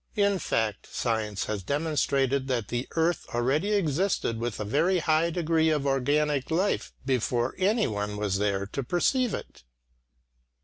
In fact science has demonstrated that the earth already existed with a very high degree of organic life, before any one was there to perceive it.